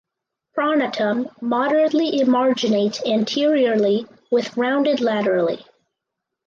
Pronotum moderately emarginate anteriorly with rounded laterally.